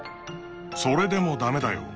それでも駄目だよ！